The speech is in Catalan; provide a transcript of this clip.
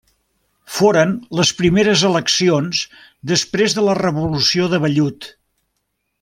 Foren les primeres eleccions després de la Revolució de Vellut.